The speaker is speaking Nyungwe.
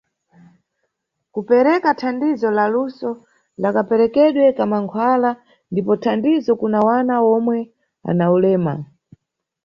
Kupereka thandizo la luso la keperekedwe ka mankhwala ndipo thandizo kuna mwana omwe ana ulema.